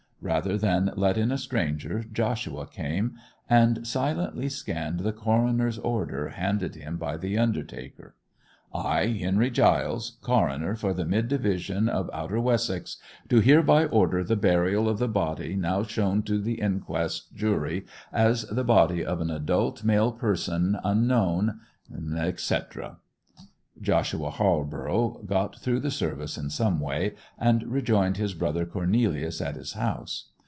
Rather than let in a stranger Joshua came, and silently scanned the coroner's order handed him by the undertaker:— 'I, Henry Giles, Coroner for the Mid Division of Outer Wessex, do hereby order the Burial of the Body now shown to the Inquest Jury as the Body of an Adult Male Person Unknown ...,' etc. Joshua Halborough got through the service in some way, and rejoined his brother Cornelius at his house.